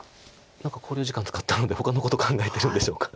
何か考慮時間使ったのでほかのこと考えてるんでしょうか。